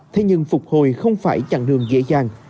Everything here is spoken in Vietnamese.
thế nhưng phục hồi không phải chặng đường dễ dàng